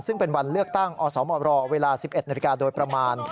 ซึ่งเป็นวันเลือกตั้งอสมรเวลา๑๑นาฬิกาโดยประมาณ